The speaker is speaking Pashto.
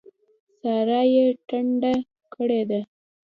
سارا يې ټنډه کړې ده.